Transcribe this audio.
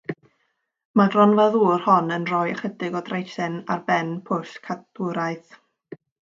Mae'r gronfa ddŵr hon yn rhoi ychydig o draethlin ar ben y pwll cadwraeth.